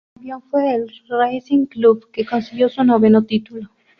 El campeón fue el Racing Club, que consiguió su noveno título.